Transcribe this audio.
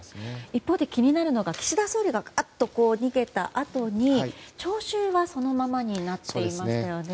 一方で気になるのが岸田総理が見ていたあとに聴衆はそのままになっていましたよね。